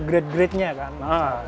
grade gradenya kan satu dua tiga empat